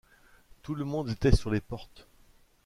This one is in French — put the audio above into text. Tout le monde était sur les portes.